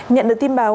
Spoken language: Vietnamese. nhận được tin báo